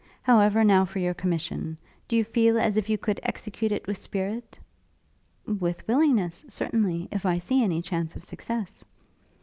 However, now for your commission. Do you feel as if you could execute it with spirit?' 'With willingness, certainly, if I see any chance of success.'